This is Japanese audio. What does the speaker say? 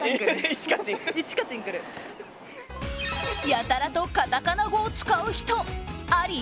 やたらとカタカナ語を使う人あり？